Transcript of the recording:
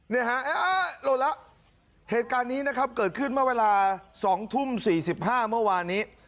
เนี่ยฮะโหลดแล้วเหตุการณ์นี้นะครับเกิดขึ้นเมื่อเวลา๒ทุ่ม๔๕เมื่อวานนี้